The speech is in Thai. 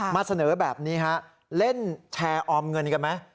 มาเสนอแบบนี้ฮะเล่นแชร์ออมเงินกันไหม